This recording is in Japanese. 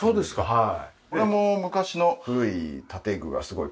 はい。